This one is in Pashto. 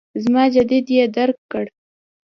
زما جدیت یې درک کړ.